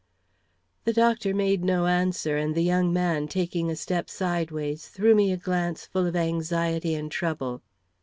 The doctor made no answer, and the young man, taking a step sidewise, threw me a glance full of anxiety and trouble.